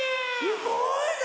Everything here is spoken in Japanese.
すごいね！